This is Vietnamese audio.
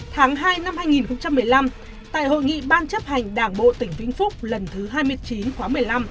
tháng hai năm hai nghìn một mươi năm tại hội nghị ban chấp hành đảng bộ tỉnh vĩnh phúc lần thứ hai mươi chín khóa một mươi năm